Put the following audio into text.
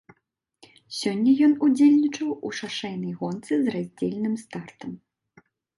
Сёння ён удзельнічаў у шашэйнай гонцы з раздзельным стартам.